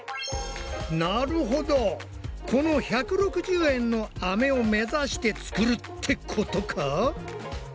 なるほどこの１６０円のアメを目指してつくるってことか？